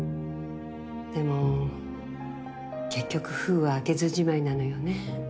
でも結局封は開けずじまいなのよね。